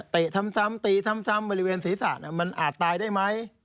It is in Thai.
ตีซ้ำซ้ำตีซ้ำซ้ำบริเวณศรีษะมันอาจตายได้ไหม